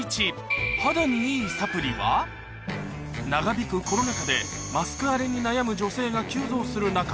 長引くコロナ禍でマスク荒れに悩む女性が急増する中